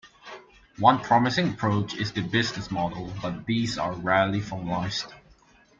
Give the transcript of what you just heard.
One promising approach is the business model, but these are rarely formalized.